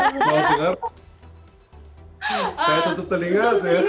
saya tutup telinga